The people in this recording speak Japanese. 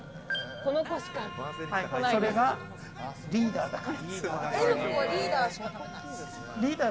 それがリーダーだから。